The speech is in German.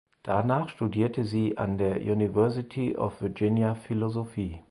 Danach studierte sie an der University of Virginia Philosophie.